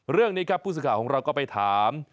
เรื่องนี้ครับพุศิษฐาของเราก็ไปถาม